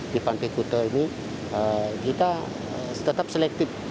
di pantai kuta ini kita tetap selektif